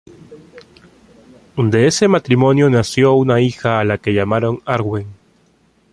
De ese matrimonio nació una hija a la que llamaron Arwen.